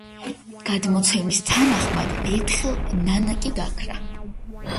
გადმოცემის თანახმად, ერთხელ ნანაკი გაქრა.